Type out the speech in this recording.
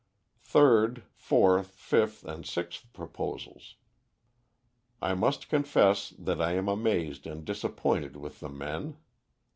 "Third, fourth, fifth, and sixth proposals. I must confess that I am amazed and disappointed with the men.